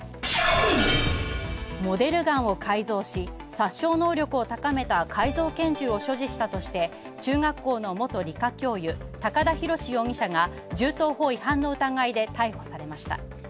モデルガンを改造し、殺傷能力を高めた改造拳銃を所持したとして中学校の元理科教諭、高田ひろし容疑者が、銃刀法違反の疑いで逮捕されました。